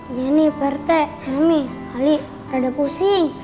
iya nih pak rete mami ali ada pusing